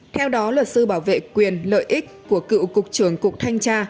theo đó luật sư bảo vệ quyền lợi ích của cựu cục trưởng cục thanh tra